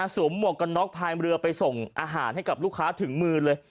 หมวกกันน็อกพายเรือไปส่งอาหารให้กับลูกค้าถึงมือเลย